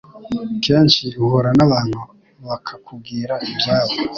kenshi uhura n'abantu bakakubwira ibyabo